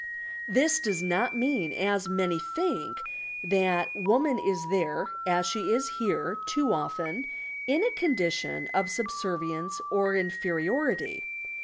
This does not mean, as many think, that woman is there (as she is here, too often) in a condition of subservience or inferiority.